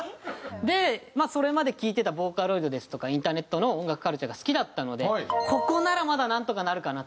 でそれまで聴いてたボーカロイドですとかインターネットの音楽カルチャーが好きだったのでここならまだなんとかなるかなと。